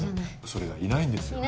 それがいないんですよ。